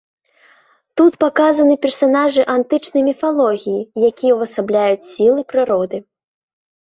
Тут паказаны персанажы антычнай міфалогіі, якія ўвасабляюць сілы прыроды.